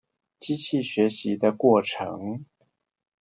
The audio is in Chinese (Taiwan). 機器學習的過程